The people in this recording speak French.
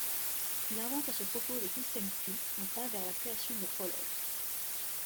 Il invente à ce propos les systèmes-Q, un pas vers la création de Prolog.